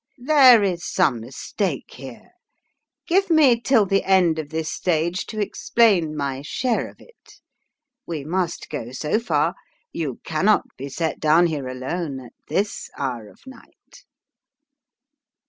" There is some mistake here ; give me till the end of this stage to explain my share of it. We must go so far ; you cannot be set down here alone, at this hour of the night."